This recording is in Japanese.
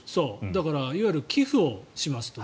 だからいわゆる寄付をしますと。